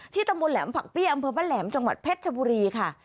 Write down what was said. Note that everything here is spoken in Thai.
ที่ตะโมนแหลมผักเปี้ยอำเภอพระแหลมจังหวัดเพชรชบุรีค่ะ